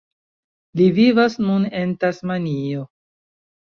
Li vivas nun en Tasmanio.